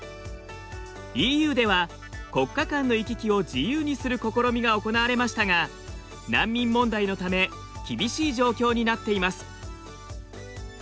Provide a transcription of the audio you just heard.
ＥＵでは国家間の行き来を自由にする試みが行われましたが難民問題のため厳しい状況になっています。